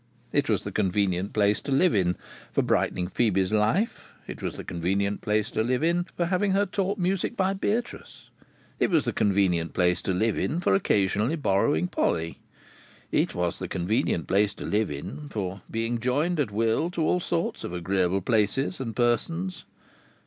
It was the convenient place to live in, for brightening Phœbe's life. It was the convenient place to live in, for having her taught music by Beatrice. It was the convenient place to live in, for occasionally borrowing Polly. It was the convenient place to live in, for being joined at will to all sorts of agreeable places and persons.